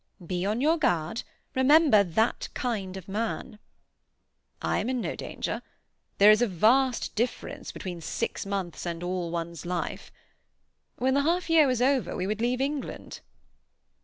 "Be on your guard. Remember "that kind of man"." "I am in no danger. There is a vast difference between six months and all one's life. When the half year was over we would leave England."